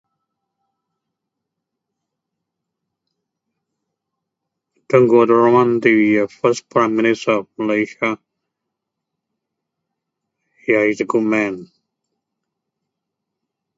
Tunku Abdul Rahman the first prime minister of Malaysia. Yeah, he's a good man